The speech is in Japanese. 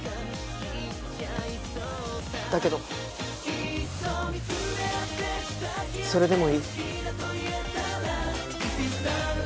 だけどそれでもいい。